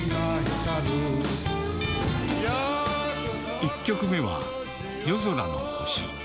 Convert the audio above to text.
１曲目は、夜空の星。